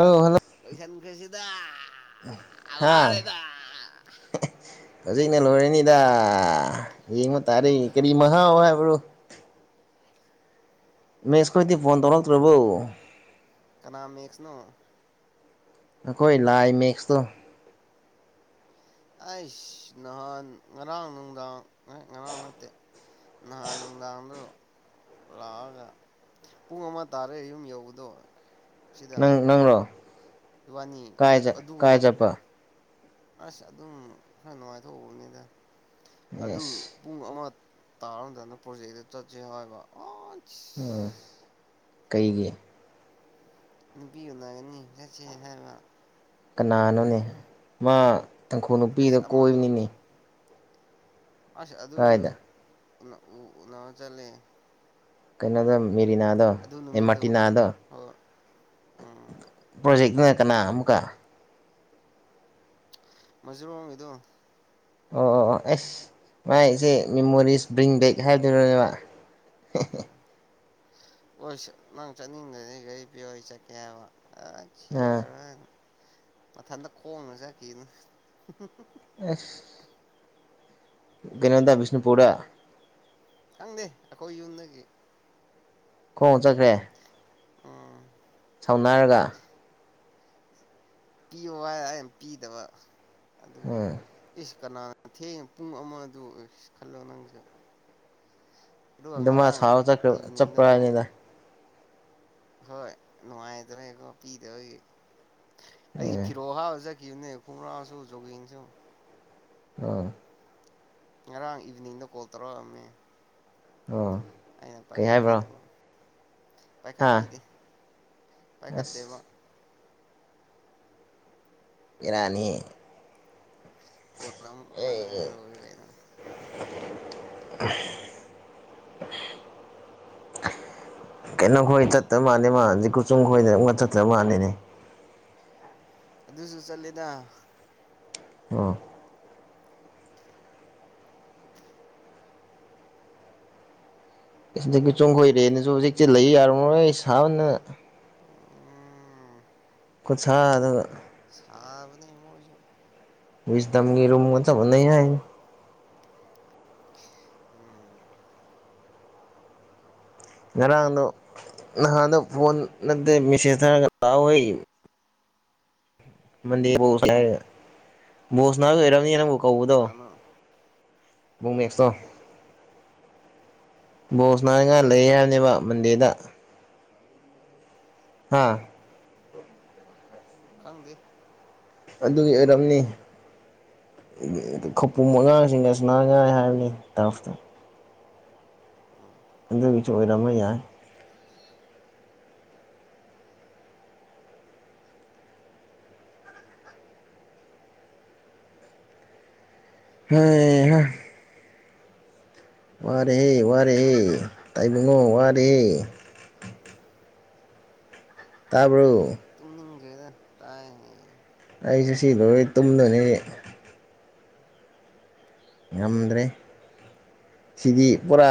ꯑꯥꯎ ꯍꯜꯂꯣ ꯀꯩꯁꯤꯗ ꯍꯥ ꯍꯧꯖꯤꯛꯅꯦ ꯂꯣꯏꯔꯅꯤ ꯌꯦꯡꯉ ꯇꯥꯔꯦ ꯀꯔꯤ ꯃꯍꯉꯥ ꯑꯣꯏ ꯍꯥꯏꯕ꯭ꯔꯣ ꯃ ꯏꯁ ꯈꯗꯤ ꯐꯣꯟ ꯇꯧꯂ꯭ꯔꯕꯣ ꯀꯅꯥꯝ ꯃꯌꯦꯛꯁꯅꯣ ꯑꯩꯈꯣꯏ ꯂꯥꯏ ꯃꯛꯁꯇꯣ ꯑꯩꯁ ꯅꯍꯥꯟ ꯉꯔꯥꯡ ꯅꯨꯡꯗꯥꯡ ꯉ ꯉꯔꯥꯡ ꯅꯠꯇꯦ ꯅꯍꯥꯟ ꯅꯨꯡꯗꯥꯡꯗꯣ ꯂꯥꯛꯑꯒ ꯄꯨꯡ ꯑꯃ ꯇꯥꯔꯦ ꯌꯨꯝ ꯌꯧꯕꯗꯣ ꯁꯤꯗ ꯅꯪ ꯅꯪꯣ ꯏꯕꯥꯅꯤ ꯀꯥꯏ ꯆ ꯑꯗꯨꯒ ꯀꯥꯏ ꯆꯄ ꯑꯁ ꯑꯗꯨꯝ ꯈꯔ ꯅꯨꯡꯉꯥꯏꯊꯣꯛꯎꯕꯅꯤꯗ ꯑꯗꯨ ꯑꯦꯁ ꯄꯨꯡ ꯑꯃ ꯇꯥꯣꯅꯣ ꯄꯣꯖꯦꯛꯗ ꯆꯦ ꯍꯕ ꯎꯝ ꯀꯩꯒꯤ ꯅꯨꯄꯤꯌꯅꯒꯅꯤ ꯆꯠꯁꯦ ꯍꯥꯏꯕ ꯀꯅꯥꯅꯅꯤ ꯃꯥ ꯇꯪꯈꯨꯜ ꯅꯨꯄꯤꯗ ꯑꯁ ꯑꯃꯗꯣ ꯀꯣꯏꯕꯅꯤꯅꯤ ꯑꯁ ꯑꯗꯨꯁꯨ ꯎ ꯆꯂꯦ ꯀꯩꯅ ꯑꯗꯨ ꯃꯦꯔꯤ ꯅꯥꯗꯣ ꯑꯦ ꯑꯥꯔ ꯅꯨꯃꯤꯠꯇꯣ ꯇꯤ ꯅꯥꯗꯣ ꯍꯣꯏ ꯎꯝ ꯄ꯭ꯔꯣꯖꯦꯛ ꯀꯅ ꯀꯅꯥ ꯑꯃꯀ ꯃꯁꯔꯕꯕꯥ ꯀꯗꯣ ꯑꯣ ꯑꯣ ꯑꯣ ꯑꯦꯁ ꯃꯥꯏꯆꯦ ꯃꯦꯃꯣꯔꯤꯁ ꯕ꯭ꯔꯤꯡ ꯕꯦꯛ ꯍꯥꯏꯗꯣꯏꯔꯣꯅꯦꯕ ꯍꯣꯏ ꯅꯪ ꯆꯠꯅꯤꯡꯗꯅꯤ ꯒꯥꯔꯤ ꯄꯤꯣ ꯑꯩ ꯆꯠꯀꯦ ꯍꯥꯏꯕ ꯑ ꯁꯤ ꯑ ꯌꯥꯔ ꯃꯊꯟꯇ ꯈꯣꯡꯅ ꯆꯠ ꯀꯅ ꯑꯦꯐ ꯒꯩꯅꯦꯟꯗ ꯕꯤꯁꯅꯨ ꯄꯨꯔꯔ ꯈꯪꯗꯦ ꯑꯩꯈꯣꯏ ꯌꯨꯝꯗꯒꯤ ꯍ ꯆꯈ꯭ꯔꯦ ꯎꯝ ꯁꯥꯎꯅꯔꯒ ꯄꯤꯌꯨ ꯍꯥꯏ ꯌꯥꯝ ꯄꯤꯗꯕ ꯑꯗꯨ ꯎꯝ ꯏ ꯀꯅꯥꯅ ꯊꯦꯡꯉ ꯄꯨꯡ ꯑꯃꯗ ꯈꯜꯂꯣ ꯅꯪꯁꯦ ꯑꯗꯨ ꯃꯥ ꯁꯥꯎꯔ ꯆꯠ ꯏꯚꯤꯅꯤꯡꯗ ꯀꯣꯜ ꯆꯠꯄ꯭ꯔꯅꯤꯅ ꯍꯣꯏ ꯅꯨꯡꯉꯥꯏꯇ꯭ꯔꯦꯀꯣ ꯄꯤꯗꯕꯒꯤ ꯑꯩ ꯎꯝ ꯐꯤꯔꯣꯍꯥꯖꯛ ꯀ ꯐꯨꯔꯁꯨ ꯒꯁꯨ ꯑ ꯌꯥꯔꯥꯡ ꯏꯚꯅꯤꯡꯗ ꯀꯜ ꯇꯔꯣꯃꯦ ꯎꯝ ꯑꯩꯅ ꯀꯩ ꯍꯥꯏꯕ꯭ꯔꯣ ꯄꯥꯏꯈꯠꯄꯤꯗꯕ ꯍꯥ ꯄꯥꯏꯈꯠꯄꯤꯔꯤꯦ ꯄꯥꯏꯈꯠꯇꯦꯕ ꯑꯁ ꯏꯅꯥꯅꯤ ꯑꯣ ꯀꯩꯅ ꯀꯩꯅꯣ ꯈꯣꯏ ꯆꯠꯇꯕ ꯃꯥꯜꯂ ꯃꯥꯖꯤ ꯀꯆꯨꯝ ꯈꯣꯏꯗ ꯑꯃꯨꯛ ꯆꯠꯇ꯭ꯔꯕ ꯃꯥꯜꯂꯅꯦ ꯑꯗꯨꯁꯨ ꯆꯠꯂꯦꯗ ꯑ ꯁꯤꯗꯒꯤ ꯆꯣꯡꯈꯣꯏꯔꯦꯅꯁꯨ ꯍꯧꯖꯤꯛꯇꯤ ꯂꯩ ꯌꯥꯔꯝꯃꯔꯣꯏ ꯑꯩ ꯏꯁꯅ ꯎꯝ ꯀꯆꯥ ꯑꯗꯨꯒꯗ ꯁꯥꯕꯅꯤꯃꯣꯁ ꯁꯗꯝꯒꯤꯔꯨꯝꯝ ꯆ ꯃꯅ ꯍꯥꯏ ꯎꯝ ꯉꯔꯥꯅꯗꯣ ꯅꯍꯥꯟꯗ ꯐꯣꯟ ꯅꯠꯇꯦ ꯃꯦꯁꯦꯖ ꯊꯥꯔꯒ ꯂꯥꯛꯑꯣ ꯍꯣꯏ ꯃꯗꯤ ꯕꯣ ꯍꯤꯔꯥ ꯕꯣꯜ ꯁꯅꯥ ꯂꯩꯔꯛ ꯅꯕꯨ ꯀꯗꯣ ꯀꯅꯥꯅꯣ ꯃꯤ ꯃꯥꯁꯇꯣ ꯕꯣ ꯁ ꯅꯥ ꯉ ꯈꯪꯗꯦꯗ ꯂꯩ ꯍꯥꯏꯕꯅꯦꯕ ꯃꯟꯗꯦ ꯗ ꯍꯥꯥ ꯈꯡꯗꯦ ꯑꯗꯨꯒꯤ ꯑꯣꯏꯔꯝꯅꯤ ꯈꯄꯨ ꯑꯉꯥꯡꯁꯤꯡꯒ ꯁꯅꯥꯉꯥꯏ ꯍꯥꯏꯕꯅꯤ ꯇꯐꯇ ꯑꯗꯨꯗꯒꯤ ꯁꯨ ꯑꯣꯏꯔꯝꯕ ꯌꯥꯏ ꯍꯩ ꯍꯥ ꯋꯥꯔꯍ ꯋꯥꯔꯤꯔꯍ ꯇꯥꯏꯕꯨꯡꯉꯣ ꯋꯥꯔꯦ ꯇꯥꯕꯔꯣ [unintelligible] ꯒꯦꯗ ꯇꯥꯏ ꯍꯥꯏꯌꯦ ꯑꯩꯁꯨ ꯁꯤ ꯂꯣꯏ ꯇꯨꯝꯗꯣꯏꯅꯤ ꯉꯝꯗ꯭ꯔꯦ ꯁꯤꯗꯤ ꯄꯨꯔꯥ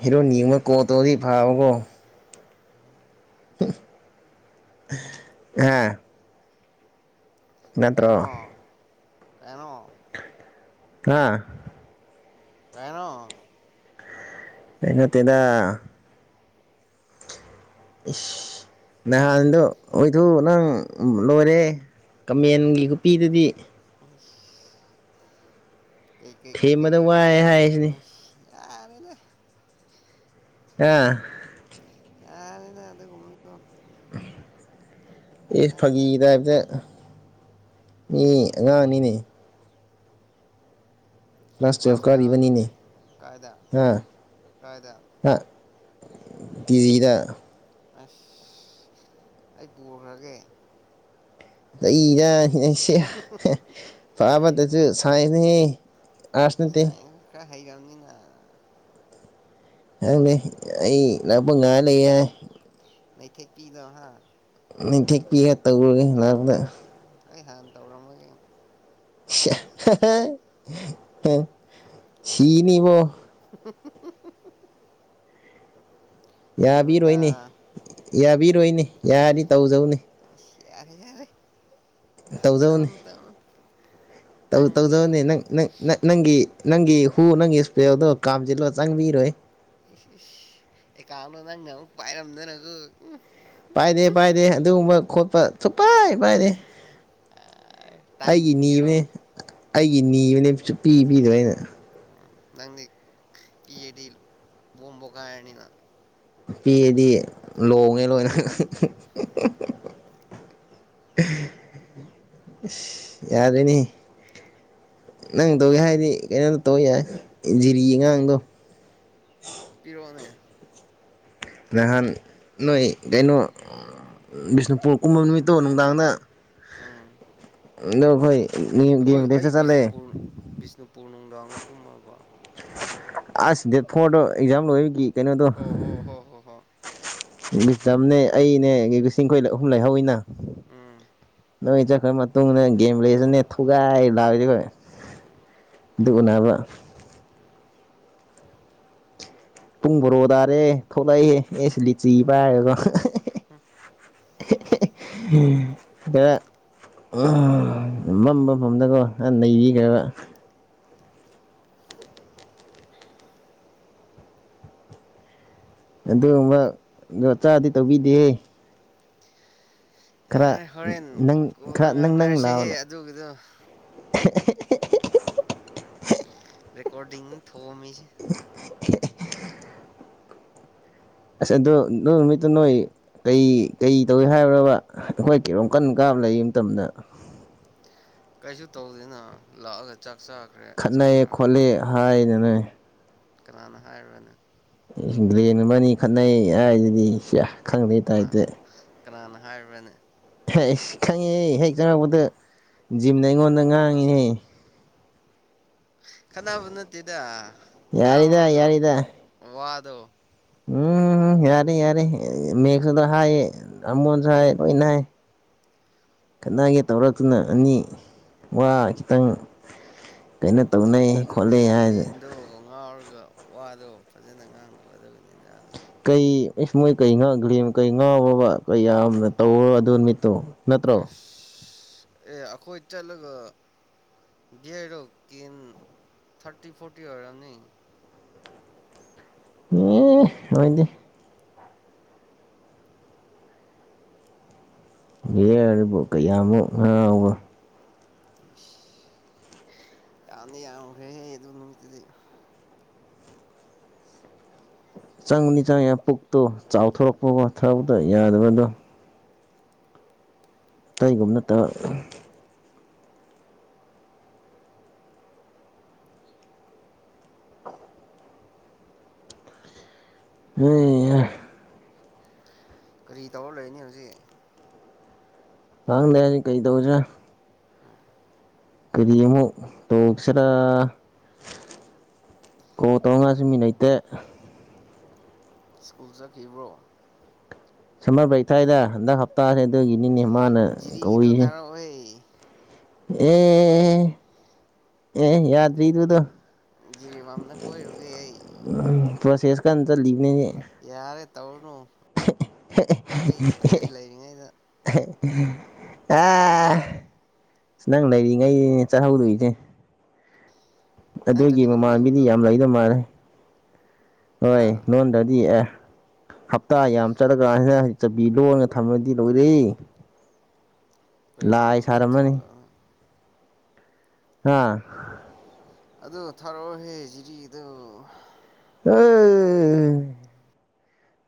ꯍꯦꯔꯣ ꯑꯃꯒꯥ ꯀꯣꯠꯇꯣꯗꯤ ꯐꯥꯕꯀꯣ ꯑ ꯅꯠꯇ꯭ꯔꯣ ꯀꯩꯅꯣ ꯀꯩꯅꯣ ꯑꯥ ꯀꯥꯏꯩꯅꯣ ꯀꯩ ꯅꯥꯇꯦꯗ ꯏꯁ ꯅꯍꯥꯟꯗꯣ ꯑꯣꯏꯊꯣꯛ ꯅꯡ ꯂꯣꯏꯔꯦ ꯀꯃꯦꯟꯒꯤ ꯈꯨꯄꯤꯗꯨꯗꯤ [inaudible] ꯀꯩ ꯊꯦꯝꯕꯗ ꯋꯥꯏ ꯍꯥꯏꯁꯤꯅꯤ ꯌꯔꯦꯗꯥ ꯑ ꯌꯔꯦꯗ ꯑꯗꯨꯒꯨꯃꯕꯗꯣ ꯏꯁ ꯐꯀꯤꯔ ꯏꯀꯥꯟꯗꯅ ꯇꯕꯗ ꯃꯤ ꯑꯉꯥꯡ ꯅꯤꯅꯦ ꯂꯥꯁ ꯇ꯭ꯋꯌꯦꯜꯐ ꯀ꯭ꯂꯥꯁ ꯀꯌꯥ ꯀꯥꯔꯤꯕꯅꯤꯅꯦ ꯀꯥꯏꯗ ꯍꯥ ꯀꯥꯏꯗ ꯍꯥ ꯄꯤ ꯖꯤꯗ ꯑꯁ ꯑꯩ ꯄꯨ ꯈꯔꯒꯦ ꯇꯦ ꯗꯥꯏ ꯁꯤ ꯄꯥꯕꯇꯁꯨ ꯁꯥꯏꯟ ꯅꯩꯌꯦ ꯁꯥꯏꯡ ꯀ ꯍꯥꯏꯒꯥꯎꯅꯤꯅ ꯍꯪꯅꯤ ꯑꯩ ꯂꯥꯛꯄ ꯉꯥ ꯂꯩꯌꯦ ꯅꯩꯊꯦꯛꯄꯤꯗꯣ ꯍꯥ ꯅꯤꯡꯊꯦꯛꯄꯤꯒ ꯇꯧꯔꯒꯦ ꯂꯥꯛꯄꯗ ꯑꯩ ꯍꯥꯟ ꯇꯧꯔꯝꯕꯒꯤꯅꯤ ꯁꯦ ꯍꯍ ꯁꯤꯅꯤꯕꯣ ꯍꯝ ꯍꯝ ꯍꯝ ꯍꯝ ꯍꯝ ꯁꯤꯔꯣꯏꯗ ꯌꯥꯕꯤꯔꯣꯏꯅꯦ ꯌꯥꯕꯤꯔꯣꯏꯅꯦ ꯌꯥꯅꯤ ꯇꯧꯖꯧꯅꯦ ꯌꯥꯔꯦ ꯌꯥꯔꯦ ꯇꯧꯖꯧꯅꯦ ꯇꯎꯟ ꯇꯧꯟ ꯇꯧ ꯇꯧꯖꯧꯅꯦ ꯅꯪ ꯅꯪꯅꯪ ꯅꯪꯒꯤ ꯅꯪꯒꯤ ꯍꯨ ꯅꯪꯒꯤ ꯏꯁꯄ꯭ꯔꯦꯗꯣ ꯀꯥꯝꯖꯤꯜꯂꯣ ꯆꯪꯕꯤꯔꯣꯏ ꯑꯦ ꯀꯥꯎꯅꯣ ꯅꯪꯅ ꯑꯃꯨꯛ ꯄꯥꯏꯔꯝꯗꯅꯒꯨ ꯎꯝ ꯄꯥꯏꯗꯦ ꯄꯥꯏꯗꯦ ꯑꯗꯨꯒꯨꯝꯕ ꯈꯣꯠꯄ ꯄꯥꯏ ꯕꯥꯥꯏꯗꯦ ꯑꯩꯒꯤ ꯇꯥꯏꯃꯤꯡꯒꯤꯔꯣ ꯅꯤꯕꯅꯦ ꯑꯩꯒꯤ ꯅꯤꯕꯅꯦ ꯁꯨꯄꯤ ꯄꯤꯗꯕ ꯑꯩꯅ ꯅꯪꯗꯤ ꯀꯦꯗꯤ ꯕꯣꯝ ꯄꯣꯈꯥꯏꯔꯅꯤꯅ ꯄꯦꯗꯤ ꯂꯣꯡꯉꯦ ꯂꯣꯏꯅ ꯑꯍ [inaudible] ꯑꯁ ꯌꯥꯗꯦꯟꯍꯦ ꯅꯪ ꯇꯧꯒꯦ ꯍꯥꯏꯗꯤ ꯀꯩꯅꯣꯗ ꯇꯧ ꯌꯥꯏ ꯏꯟꯖꯤꯔꯤ ꯑꯉꯥꯡꯗꯣ ꯄꯤꯔꯣꯅꯦ ꯅꯍꯥꯟ ꯅꯣꯏ ꯀꯩꯅꯣ ꯕꯤꯁꯅꯨꯄꯨꯔ ꯀꯨꯝꯃ ꯅꯨꯃꯤꯠꯇꯨ ꯅꯨꯡꯗꯥꯡꯗ ꯅ ꯈꯣꯏ ꯑꯈꯣꯏ ꯑꯩ ꯕꯤꯁꯅꯨꯄꯨꯔ ꯕꯤꯁꯅꯨꯄꯨꯔ ꯅꯨꯡꯗꯥꯡꯅ ꯀꯨꯝꯃꯕ ꯑꯁ ꯗꯦꯠ ꯐꯣꯔꯗꯣ ꯑꯦꯛꯖꯥꯝ ꯂꯣꯏꯑꯒꯤ ꯀꯩꯅꯣꯗꯣ ꯑꯣ ꯍꯣ ꯍꯣ ꯍꯣ ꯍꯣ ꯕꯤꯇꯝꯅꯦ ꯑꯩꯅꯦ ꯒꯤꯂꯤꯁꯤꯡ ꯈꯣꯏꯗ ꯑꯍꯨꯝ ꯂꯩꯍꯧꯏꯅ ꯎꯝ ꯅ ꯑꯩꯆꯠ ꯈꯔ ꯃꯠ ꯇꯨꯡꯅ ꯒꯦꯝ ꯂꯩꯔꯅꯦ ꯊꯧꯒꯥꯏ ꯂꯥꯏꯔꯗꯤ ꯕꯩ [unintelligible] ꯑꯗꯨꯒ ꯅꯕ ꯄꯨꯡ ꯕꯣꯔꯣ ꯗꯔꯦ ꯈꯧꯂꯛꯏ ꯑꯦꯁꯤ ꯂꯤꯆꯤ ꯄꯥꯏꯔꯒꯒꯣ ꯎꯝ ꯍꯦꯍꯦ ꯈꯔ ꯑꯝ ꯃꯝꯕ ꯃꯝꯗꯕ ꯈꯥ ꯅꯩꯔꯤ ꯈꯕ ꯑꯗꯨꯑꯨꯝꯕ ꯗꯣ ꯆꯥꯗꯤ ꯇꯧꯕꯤꯗꯦꯌꯦ ꯌꯥꯔꯦ ꯍꯣꯔꯦꯟ ꯅꯪ ꯀꯣꯜꯗ ꯈꯔ ꯅꯪ ꯉꯥꯡꯅꯔꯁꯍꯦ ꯑꯗꯨꯒꯤꯗꯣ ꯑꯦ ꯍꯦ ꯍꯦ ꯍꯦ ꯍꯦꯍꯦ ꯍꯦꯍꯦ ꯔꯦꯀꯣꯔꯗꯤꯡꯊ ꯍꯣ ꯃꯤꯁ ꯑꯁ ꯑꯗꯨ ꯅꯣꯏ ꯅꯨꯃꯤꯠꯇꯨ ꯅꯣꯏ ꯀꯩ ꯀꯩ ꯇꯧꯏ ꯍꯥꯏꯕ꯭ꯔꯕ ꯑꯩꯈꯣꯏ ꯀꯣꯝ ꯀꯟ ꯀꯥꯕ ꯂꯩ ꯃꯇꯝꯗ ꯀꯩꯁꯨ ꯇꯧꯗꯦꯅ ꯂꯥꯛꯑꯒ ꯆꯥꯛ ꯆꯥꯈ꯭ꯔꯦ ꯆꯥꯛ ꯈꯠꯅꯩꯌꯦ ꯆꯥꯔ ꯈꯣꯠꯂꯦ ꯍꯥꯏꯅꯅꯦ ꯀꯅꯥꯅ ꯍꯥꯏꯔꯅꯦ ꯒ꯭ꯂꯦꯅꯃꯅꯤ ꯈꯠꯅꯩ ꯍꯥꯏꯁꯤꯗꯤ ꯁꯤ ꯈꯪꯗꯦ ꯀꯅꯥ ꯇꯥꯏꯗꯤ ꯀꯅꯥꯅ ꯍꯥꯏꯕꯅꯦ ꯍꯩ ꯈꯪꯉꯤꯍꯦ ꯍꯦꯛ ꯈꯪꯉꯛꯄꯗ ꯖꯤꯝꯗ ꯑꯩꯉꯣꯟꯗ ꯉꯥꯡꯉꯤꯍ ꯈꯠꯅꯕ ꯅꯠꯇꯦꯗ ꯌꯥꯔꯦꯗ ꯉꯥꯎꯔꯒ ꯌꯥꯔꯦꯗ ꯋꯥꯗꯣ ꯎꯝ ꯌꯥꯔꯦ ꯌꯥꯔꯦ ꯃꯦꯘꯗ ꯍꯥꯏꯌꯦ ꯑꯃꯣꯟꯁꯨ ꯍꯥꯏꯌꯦ ꯂꯣꯏꯅ ꯍꯥꯏ ꯈꯅꯒꯦ ꯇꯧꯔꯛꯇꯨꯅ ꯑꯅꯤ ꯋꯥ ꯈꯤꯇꯪ ꯀꯩꯅꯣ ꯇꯧꯅꯩ ꯑꯗꯨꯅꯦ ꯈꯣꯠꯅꯩ ꯍꯥꯏꯗꯅ ꯂꯦꯟꯗꯣ ꯉꯥꯎꯔ ꯑꯗꯨꯒ ꯋꯥꯗꯣ ꯐꯖꯅ ꯉꯥꯡꯗꯕ ꯑꯗꯨꯒꯤꯅꯤꯗ ꯀꯩ ꯏꯁ ꯃꯣꯏ ꯀꯩ ꯉꯥꯡꯒ꯭ꯔꯤ ꯀꯩ ꯉꯥꯎꯕ ꯀꯩ ꯌꯥꯝꯅ ꯇꯧ ꯑꯗꯨ ꯅꯨ ꯃꯤꯠꯇꯣ ꯑꯁ ꯁ ꯑꯦ ꯑꯩꯈꯣꯏ ꯆꯠꯂꯒ ꯕꯤꯌꯔꯗꯣ ꯀꯦꯟ ꯊꯥꯔꯇꯤ ꯐꯣꯔꯇꯤ ꯑꯣꯏꯔꯅꯤ ꯍꯦ ꯑꯣꯏꯗꯤ ꯕꯤꯌꯥꯔꯕꯨ ꯀꯌꯥꯃꯨꯛ ꯉꯥꯎꯕ [inaudible] ꯌꯥꯅꯤ ꯌꯥꯈ꯭ꯔꯦ ꯍꯦ ꯑꯗꯨ ꯅꯨꯃꯤꯠꯇꯗꯤ ꯆꯪꯅꯤ ꯆꯪꯉꯦ ꯄꯨꯛꯇꯣ ꯆꯥꯎꯊꯣꯔꯛꯄꯒꯣ ꯊꯗ ꯌꯥꯗꯕꯗꯣ ꯀꯩꯒꯨꯝꯕ ꯅꯠꯇ ꯍꯩꯍꯥ ꯀꯔꯤ ꯇꯧꯔ ꯂꯩꯅꯤ ꯍꯧꯖꯤꯛ ꯍꯥꯡꯗꯅꯤ ꯀꯩ ꯇꯧꯖ ꯎꯝ ꯀꯔꯤ ꯑꯃꯨꯛ ꯇꯧꯁꯤꯔꯥ ꯀꯣꯜ ꯇꯧꯔꯉꯁꯨ ꯃꯤ ꯅꯩꯇꯦ ꯁꯀꯨꯜ ꯆꯈꯤꯕ꯭ꯔꯣ ꯁꯝꯃꯔ ꯕ꯭ꯔꯦꯛ ꯊꯥꯏꯗ ꯍꯟꯗꯛ ꯍꯞꯇꯥꯁꯦ ꯑꯗꯨꯒꯤ ꯅꯤꯅꯦ ꯃꯥꯅ ꯖꯤꯔꯤꯒꯤꯗꯣ ꯀꯧꯏꯍꯦ ꯊꯥꯔꯛꯑꯣꯍꯦ ꯑꯦ ꯑꯦ ꯌꯥꯗ ꯏꯗꯨꯗ ꯖꯤꯔꯤꯕꯥꯝꯅ ꯀꯣꯏꯔꯨꯒꯦ ꯑꯩ ꯀꯦꯟꯗꯜꯂꯤꯅꯦ ꯌꯥꯔꯦ ꯇꯧꯔꯅꯨ ꯑꯩ ꯀꯔꯤ ꯂꯩꯔꯤꯉꯩꯗ ꯑ ꯁꯤ ꯅꯪ ꯂꯩꯔꯤꯉꯩ ꯆꯥꯍꯧꯗꯣꯏꯁꯦ ꯅꯪ ꯑꯗꯨꯒꯤ ꯂꯨꯝꯂꯣ ꯃꯃꯥꯟꯕꯤꯗꯤ ꯌꯨꯝꯗꯣ ꯌꯥꯝ ꯂꯩꯗ ꯃꯥꯜꯂꯦ ꯍꯣꯏ ꯍꯥ ꯂꯣꯟꯗꯗꯤ ꯑꯦ ꯍꯞꯇꯥ ꯌꯥꯝ ꯆꯠꯂꯒ ꯑꯅꯛ ꯆꯕꯤ ꯂꯣꯟꯒ ꯊꯝꯃꯗꯤ ꯂꯣꯏꯔꯦ ꯀꯩ ꯄꯣ ꯂꯥꯏ ꯆꯩ ꯁꯥꯔꯝꯃꯅꯤ ꯊꯝꯅ ꯑꯥ ꯑꯗꯨ ꯊꯥꯔꯛꯑꯣꯍꯦ ꯖꯤꯔꯤ ꯒꯤꯗꯣ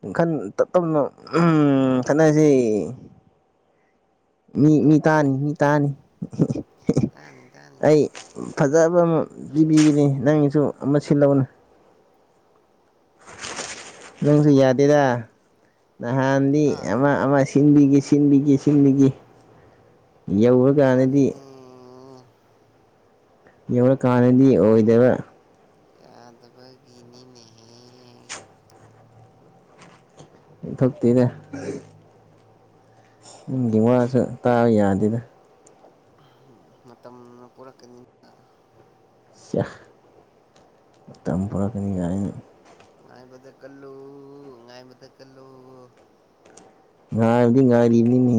ꯎ ꯇꯞ ꯇꯞꯅ ꯎꯝ ꯈꯠꯅꯁꯤ ꯃꯤ ꯃꯤ ꯇꯥꯅꯤ ꯃꯤ ꯇꯥꯅꯤ ꯇꯥꯅꯤ ꯇꯥꯅꯤ ꯑꯩ ꯐꯖꯕ ꯑꯃ ꯄꯤꯕꯤꯒꯦꯅꯦ ꯅꯪꯅꯁꯨ ꯑꯃꯨ ꯁꯤꯜꯂꯛ ꯑꯣꯅꯦ ꯅꯪꯁꯨ ꯌꯥꯗꯦꯗ ꯅꯍꯥꯟꯗꯤ ꯍꯥ ꯑꯃ ꯑꯃ ꯁꯤꯟꯕꯤꯒꯦ ꯁꯤꯟꯕꯤꯒꯦ ꯁꯤꯟꯕꯤꯒꯦ ꯌꯧꯔ ꯀꯥꯟꯗꯗꯤ ꯗ ꯌꯧꯔꯛꯀꯥꯟꯗꯗꯤ ꯑꯣꯏꯗꯕ ꯌꯥꯗꯕꯒꯤꯅꯤꯅꯦꯍꯦ ꯑꯣꯏꯊꯣꯛ ꯇꯦꯗꯥ ꯅꯒꯤ ꯋꯥꯁꯨ ꯇꯥꯕ ꯌꯥꯗꯦꯗ ꯃꯇꯝꯅ ꯄꯣꯔꯛꯀꯅꯤꯗ ꯁꯤ ꯑ ꯃꯇꯝꯅ ꯄꯣꯔꯛꯀꯅꯤ ꯀꯥꯏꯅꯥ ꯉꯥꯏꯕꯥꯇꯥ ꯀꯜꯂꯣ ꯉꯥꯏꯕꯥꯇꯥ ꯀꯥꯜꯂꯣ ꯉꯥꯏꯕꯗꯤ ꯉꯥꯏꯔꯤꯅꯤꯅꯦ